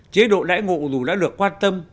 chế độ đã ngộ dù đã được quan tâm